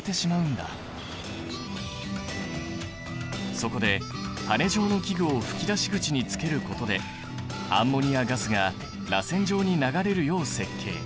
そこで羽根状の器具を噴き出し口につけることでアンモニアガスがらせん状に流れるよう設計。